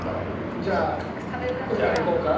じゃあウータンいこうか。